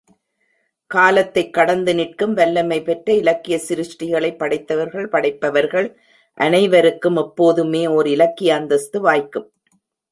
காலத்தைக் கடந்து நிற்கும் வல்லமைபெற்ற இலக்கியச் சிருஷ்டிகளைப் படைத்தவர்கள் படைப்பவர்கள் அனைவருக்கும் எப்போதுமே ஓர் இலக்கிய அந்தஸ்து வாய்க்கும்.